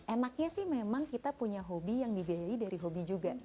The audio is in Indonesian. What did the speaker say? enaknya sih memang kita punya hobi yang dibiayai dari hobi juga